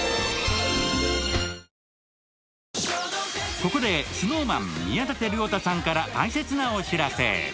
ここでＳｎｏｗＭａｎ、宮舘涼太さんから大切なお知らせ。